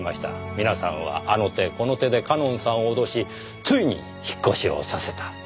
皆さんはあの手この手で夏音さんを脅しついに引っ越しをさせた。